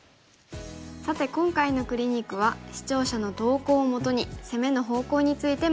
さて今回のクリニックは視聴者の投稿をもとに攻めの方向について学びました。